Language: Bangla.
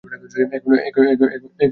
এখন, তাহলে তো খারাপ।